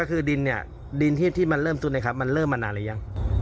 ก็คือดินเนี่ยดินที่มันเริ่มต้นนะครับมันเริ่มมานานหรือยัง